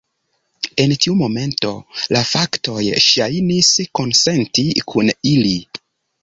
En tiu momento, la faktoj ŝajnis konsenti kun ili.